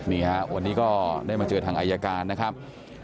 นี่ฮะวันนี้ก็ได้มาเจอทางอายการนะครับ